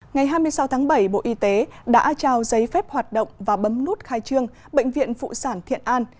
ngày hai mươi sáu tháng bảy bộ y tế đã trao giấy phép hoạt động và bấm nút khai trương bệnh viện phụ sản thiện an